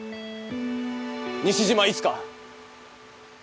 西島いつか！